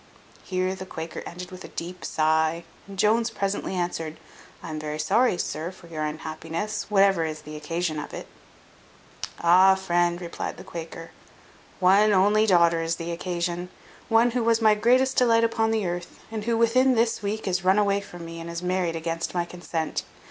Here the Quaker ended with a deep sigh; and Jones presently answered, "I am very sorry, sir, for your unhappiness, whatever is the occasion of it." "Ah! friend," replied the Quaker, "one only daughter is the occasion; one who was my greatest delight upon earth, and who within this week is run away from me, and is married against my consent.